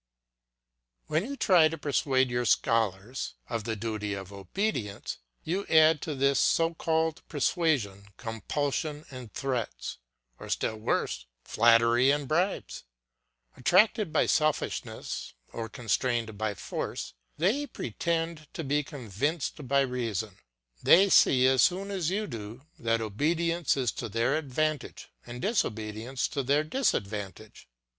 When you try to persuade your scholars of the duty of obedience, you add to this so called persuasion compulsion and threats, or still worse, flattery and bribes. Attracted by selfishness or constrained by force, they pretend to be convinced by reason. They see as soon as you do that obedience is to their advantage and disobedience to their disadvantage.